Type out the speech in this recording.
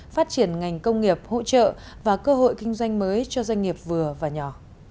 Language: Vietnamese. phát triển ngành công nghiệp hỗ trợ và cơ hội kinh doanh mới cho doanh nghiệp vừa và nhỏ